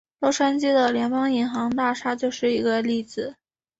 洛杉矶的联邦银行大厦就是一个例子。